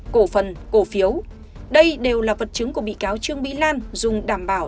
cổ phần cổ phiếu đây đều là vật chứng của bị cáo trương mỹ lan dùng đảm bảo